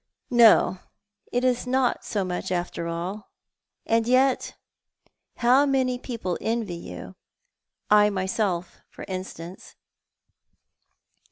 No, it is not much after all. And yet how many people envy you — L myself, f tr instance